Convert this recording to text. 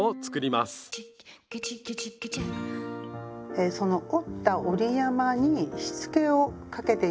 えその折った折り山にしつけをかけてゆきます。